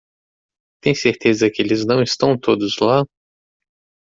Tem certeza que eles não estão todos lá?